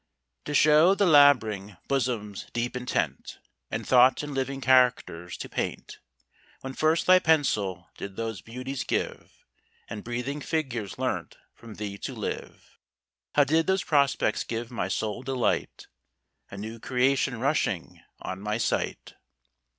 TO show the lab'ring bosom's deep intent, And thought in living characters to paint, When first thy pencil did those beauties give, And breathing figures learnt from thee to live, How did those prospects give my soul delight, A new creation rushing on my sight?